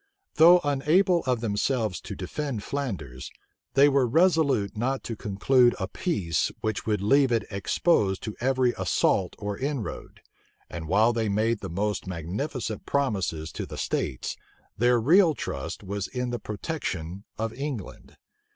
Though unable of themselves to defend Flanders, they were resolute not to conclude a peace which would leave it exposed to every assault or inroad; and while they made the most magnificent promises to the states, their real trust was in the protection of England.